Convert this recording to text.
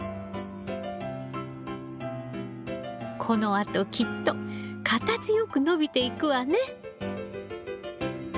このあときっと形よく伸びていくわね。